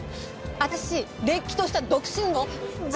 私れっきとした独身ですけど！